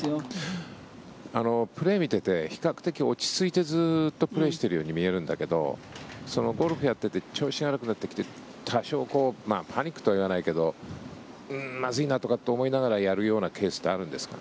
プレーを見ていて比較的落ち着いてずっとプレーをしているように見えるんだけどゴルフをやっていて調子が悪くなってきて多少、パニックとは言わないけどまずいなとかって思いながらやるようなケースってあるんですか？